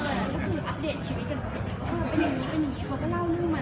เราบุลซิพี่ดูแล้วค่ะ